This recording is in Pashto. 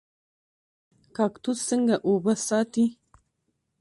کاکتوس څنګه اوبه ساتي؟